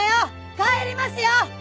帰りますよ！